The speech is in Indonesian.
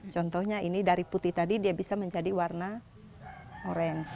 contohnya ini dari putih tadi dia bisa menjadi warna orange